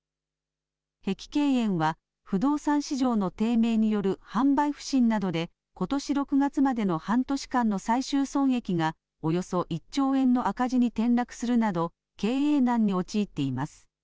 碧桂園は、不動産市場の低迷による販売不振などで、ことし６月までの半年間の最終損益がおよそ１兆円の赤字に転落するなど、経営難に陥っています。